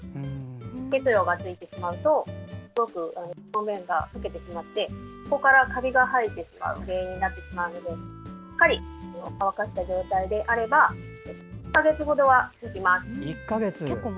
結露がついてしまうと表面が溶けてしまってそこからカビが生えてしまう原因になってしまうのでしっかり乾かした状態であれば１か月ほどは持ちます。